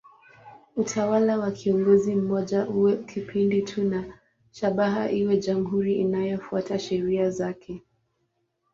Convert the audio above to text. Utawala wa kiongozi mmoja uwe kipindi tu na shabaha iwe jamhuri inayofuata sheria zake.